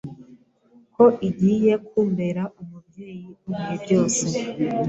ko igiye kumbera umubyeyi w’ibihe byose,